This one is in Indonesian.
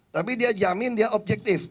tapi dia jamin dia objektif